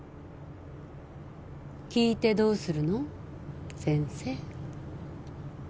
聞いてどうするのセンセ？